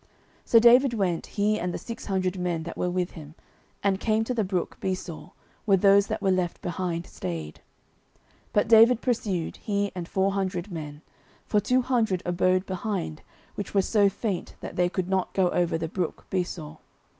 09:030:009 So David went, he and the six hundred men that were with him, and came to the brook Besor, where those that were left behind stayed. 09:030:010 But David pursued, he and four hundred men: for two hundred abode behind, which were so faint that they could not go over the brook Besor.